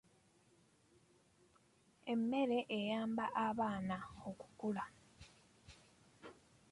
Emmere eyamba abaana okukula.